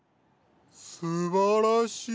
すばらしい！